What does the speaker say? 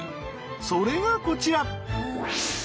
それがこちら。